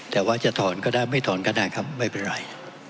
แต่ว่าจะถอนก็ได้ไม่ถอนก็ได้ครับไม่เป็นไร